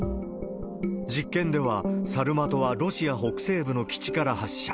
実験では、サルマトはロシア北西部の基地から発射。